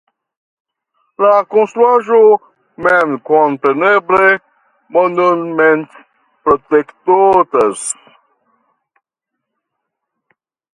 La konstruaĵo memkompreneble monumentprotektotas.